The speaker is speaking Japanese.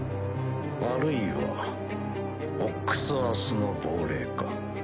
あるいは「オックス・アース」の亡霊か。